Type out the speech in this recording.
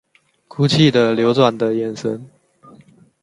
哭泣的流转的眼神